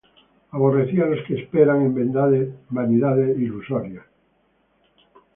Aborrecí á los que esperan en vanidades ilusorias; Mas yo en Jehová he esperado.